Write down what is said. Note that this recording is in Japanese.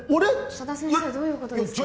佐田先生どういうことですか？